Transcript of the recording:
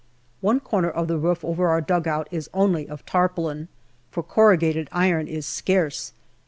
One corner of the roof over our dugout is only of tarpaulin, for corrugated OCTOBER 253 iron is scarce.